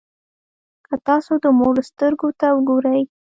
که تاسو د مور سترګو ته وګورئ.